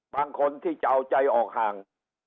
บางคนที่จะเอาใจออกห่าง